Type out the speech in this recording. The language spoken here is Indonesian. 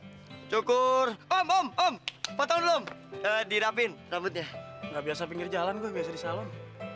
hai cukur om om om potong lo dirapin rambutnya nggak biasa pinggir jalan gue biasa di salon